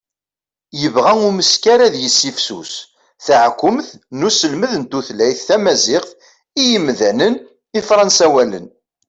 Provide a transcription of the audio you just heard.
yebɣa umeskar ad yessifsus taɛekkumt n uselmed n tutlayt tamaziɣt i yimdanen ifransawalen